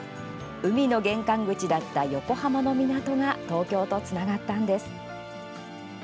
海の玄関口だった横浜の港が東京とつながったんです。